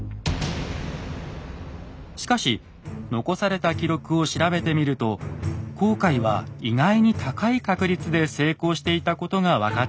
しかし残された記録を調べてみると航海は意外に高い確率で成功していたことが分かってきました。